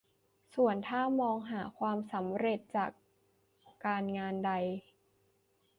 ส่วนถ้ามองหาความสำเร็จจากการงานใด